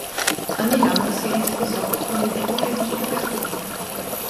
A Milano si risposò con l'editore Livio Garzanti.